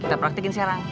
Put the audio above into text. kita praktikin sekarang